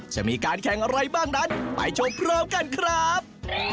จะมีการแข่งอะไรบ้างนั้นไปชมพร้อมกันครับ